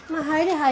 はい。